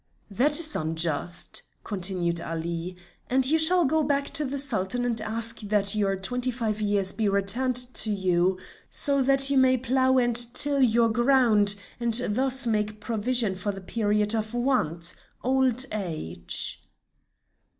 "That is unjust," continued Ali, "and you shall go back to the Sultan and ask that your twenty five years be returned to you so that you may plough and till your ground, and thus make provision for the period of want, old age."